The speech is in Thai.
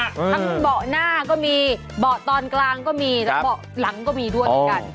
ทั้งเบาะหน้าก็มีเบาะตอนกลางก็มีทั้งเบาะหลังก็มีด้วยเหมือนกัน